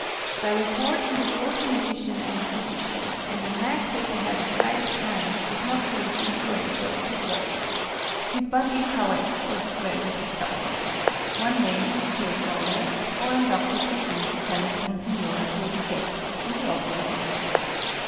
By report, he was both a magician and physician, and a knack that he had of slight of hand was not the least influential of his virtues. His bodily prowess was as great as his suppleness. One day, at Fiesole, a foreign doctor presumed to challenge Monsignore to a debate, and the offer was accepted.